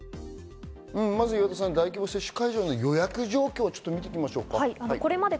まず大規模接種会場の予約状況を見ていきましょう。